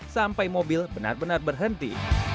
sampai mobil benar benar berhenti